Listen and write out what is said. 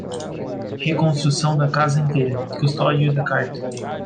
Reconstrução da casa inteira, custódia da carta